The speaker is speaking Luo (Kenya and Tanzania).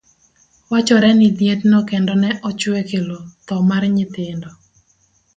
Wachore ni lietno kendo ne ochwe okelo thoo mar nyithindo .